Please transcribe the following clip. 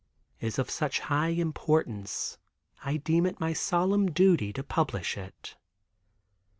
Is of such high importance I deem it my solemn duty to publish it.